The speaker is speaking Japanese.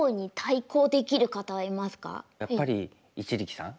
やっぱり一力さん。